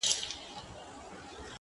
دا نظم وساته موسم به د غوټیو راځي!!